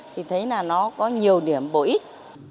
thì thấy là nó có nhiều điểm bổ ích